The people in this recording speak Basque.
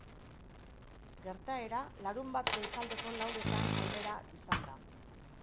Gertaera larunbat goizaldeko lauretan aldera izan da.